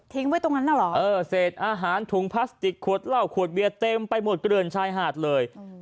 ไว้ตรงนั้นน่ะเหรอเออเศษอาหารถุงพลาสติกขวดเหล้าขวดเบียร์เต็มไปหมดเกลือนชายหาดเลย